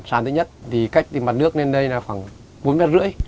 sàn thứ nhất thì cách từ mặt nước lên đây là khoảng bốn mét rưỡi